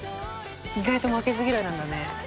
「意外と負けず嫌いなんだね」